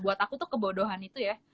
buat aku tuh kebodohan itu ya